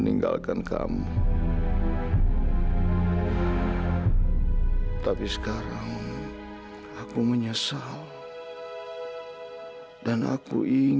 tapi sudah jika kamu tad zagor zagornya suatu ekspon